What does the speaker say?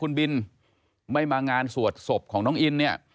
คุณบินไม่มางานสวดศพของน้องอินเนี่ย